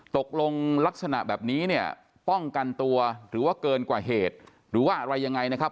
ตกลงลักษณะแบบนี้เนี่ยป้องกันตัวหรือว่าเกินกว่าเหตุหรือว่าอะไรยังไงนะครับ